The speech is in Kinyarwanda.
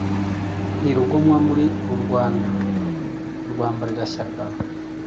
Ni rugomwa muri uru Rwanda, Ni Rwambarirashyaka